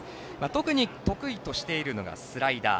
特に得意としているのがスライダー。